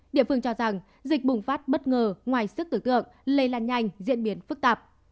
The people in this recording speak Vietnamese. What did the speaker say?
địa phương cho rằng dịch bùng phát bất ngờ ngoài sức tử tượng lây lan nhanh diễn biến phức tạp